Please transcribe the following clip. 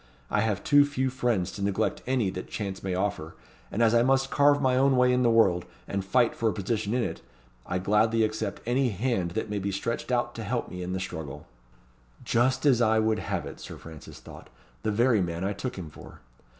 I have too few friends to neglect any that chance may offer; and as I must carve my own way in the world, and fight for a position in it, I gladly accept any hand that may be stretched out to help me in the struggle." "Just as I would have it," Sir Francis thought, "The very man I took him for.